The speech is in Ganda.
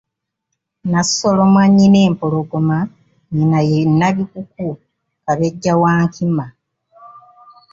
Nassolo Mwannyinempologoma, nnyina ye Nabikuku Kabejja wa Nkima.